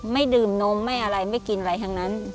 ไม่ดื่มนมไม่อะไรไม่กินอะไรทั้งนั้น